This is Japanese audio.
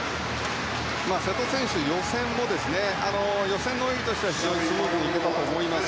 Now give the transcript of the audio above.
瀬戸選手予選の泳ぎとしては非常にスムーズに行けたと思います